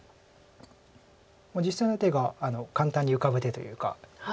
実戦の手が簡単に浮かぶ手というか。